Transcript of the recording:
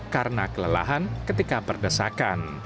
karena kelelahan ketika perdesakan